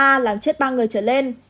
a làm chết ba người trở lên